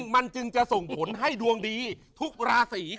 มันจึงจะส่งผลให้ดวงดีทุกราศี